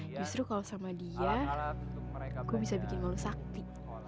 justru kalau sama dia aku bisa bikin malu sakti